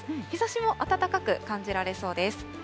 日ざしも暖かく感じられそうです。